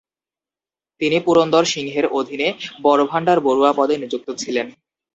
তিনি পুরন্দর সিংহের অধীনে বরভাণ্ডার বরুয়া পদে নিযুক্ত ছিলেন।